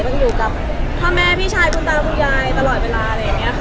จะอยู่กับพ่อแม่พี่ชายคุณตาคุณยายตลอดเวลาอะไรอย่างนี้ค่ะ